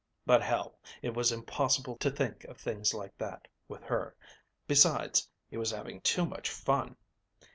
But hell, it was impossible to think of things like that with her, besides he was having too much fun.